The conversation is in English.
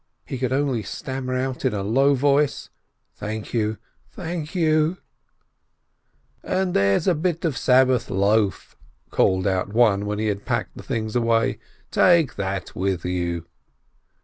He could only stammer in a low voice, "Thank you ! thank you !" "And there's a bit of Sabbath loaf," called out one, when he had packed the things away, "take that with you!"